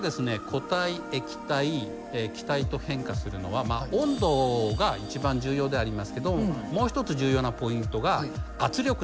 固体液体気体と変化するのは温度が一番重要ではありますけどもう一つ重要なポイントが圧力なんです。